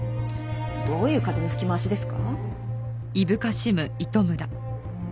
どういう風の吹き回しですか？